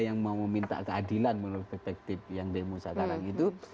yang mau meminta keadilan menurut perspektif yang demo sekarang itu